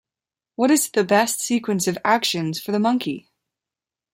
What is the best sequence of actions for the monkey?